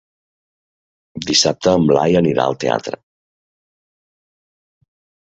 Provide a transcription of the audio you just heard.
Dissabte en Blai anirà al teatre.